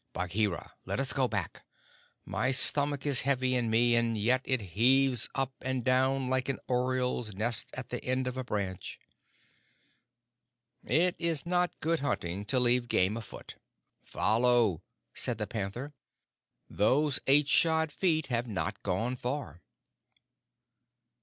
Bagheera, let us go back. My stomach is heavy in me, and yet it heaves up and down like an oriole's nest at the end of a branch." "It is not good hunting to leave game afoot. Follow!" said the panther. "Those eight shod feet have not gone far."